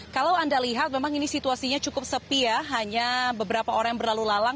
kalau anda lihat memang ini situasinya cukup sepi ya hanya beberapa orang yang berlalu lalang